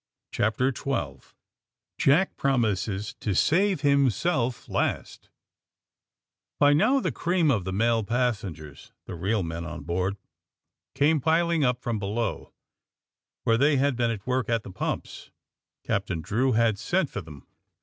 CHAPTER XII JACK PROMISES TO SAVE HIMSELF LAST Y now the cream of the male passengers — the real men on board — came piling up from below where they had been at work at the pumps. Captain Drew had sent for them.